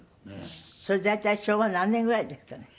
それ大体昭和何年ぐらいですかね？